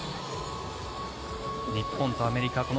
日本とアメリカ